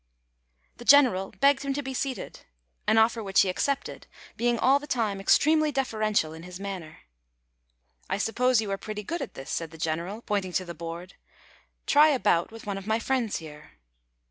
The general begged him to be seated, an offer which he accepted, being all the time extremely deferential in his manner. "I suppose you are pretty good at this," said the general, pointing to the board; "try a bout with one of my friends here."